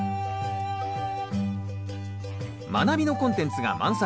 「まなび」のコンテンツが満載。